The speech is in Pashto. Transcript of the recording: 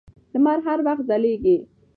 لمر هر وخت ځلېږي.